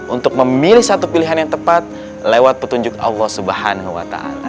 untuk memilih satu pilihan yang tepat lewat petunjuk allah swt